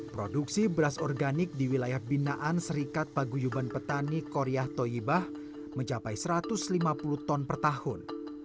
produksi beras organik di wilayah binaan serikat paguyuban petani korea toyibah mencapai satu ratus lima puluh ton per tahun